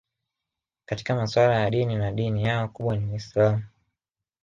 Katika masuala ya dini na dini yao kubwa ni Uislamu